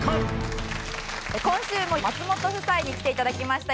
今週も松本夫妻に来て頂きました。